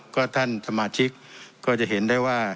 ก็ท่านสมาชิกก็จะเห็นได้ว่า